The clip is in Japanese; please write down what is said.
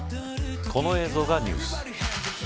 この映像がニュース。